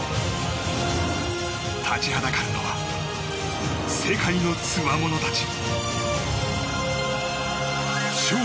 立ちはだかるのは世界のつわものたち。